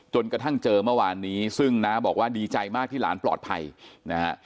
จนกระทั่งเจอเมื่อวานนี้ซึ่งน้าบอกว่าดีใจมากที่หลานปลอดภัยนะฮะ